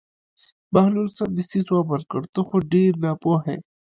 بهلول سمدستي ځواب ورکړ: ته خو ډېر ناپوهه یې.